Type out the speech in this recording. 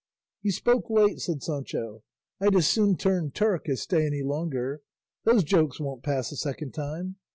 "You spoke late," said Sancho. "I'd as soon turn Turk as stay any longer. Those jokes won't pass a second time.